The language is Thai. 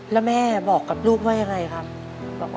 แล้วแม่บอกกับลูกว่ายังไงครับ